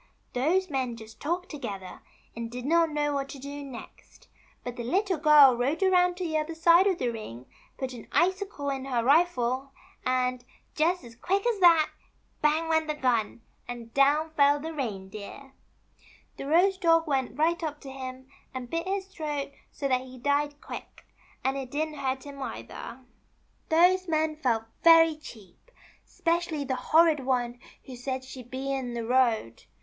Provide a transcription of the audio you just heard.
Those men just talked together, and did not know what to do next ; but the Little Girl rode round to the other side of the ring, put an ici cle in her rifle, and, just as quick as that, bang went MARY LEE'S STORY. the gun, and down fell the Reindeer. The Rose dog w'ent right up to him and bit his throat so that he died cpiick ; and it didn't hurt him either. THE LITTLE GIIIL RIDES BACK AT THE HEAD OF THE HUNT. " Those men felt very cheap, 'specially the horrid one who said 'She'd be in the road.